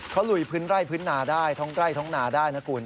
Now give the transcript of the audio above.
เขาลุยพื้นไร่พื้นนาได้ท้องไร่ท้องนาได้นะคุณ